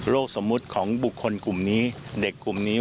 สมมุติของบุคคลกลุ่มนี้เด็กกลุ่มนี้